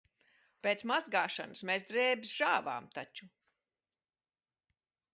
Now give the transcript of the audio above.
Pēc mazgāšanas mēs drēbes žāvām taču.